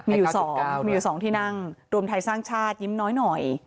มีอยู่๒ที่นั่งรวมไทยสร้างชาติยิ้มน้อย